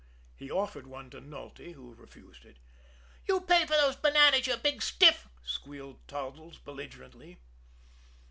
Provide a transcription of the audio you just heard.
He offered one to Nulty, who refused it. "You pay for those bananas, you big stiff!" squealed Toddles belligerently.